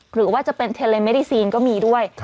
หรือว่าจะเป็นเทเลเมดีซีนก็มีด้วย